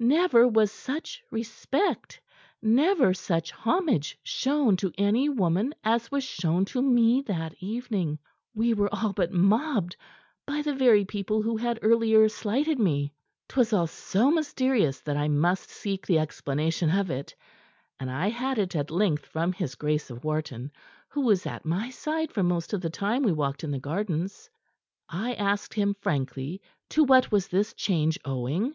Never was such respect, never such homage shown to any woman as was shown to me that evening. We were all but mobbed by the very people who had earlier slighted me. "'Twas all so mysterious that I must seek the explanation of it. And I had it, at length, from his Grace of Wharton, who was at my side for most of the time we walked in the gardens. I asked him frankly to what was this change owing.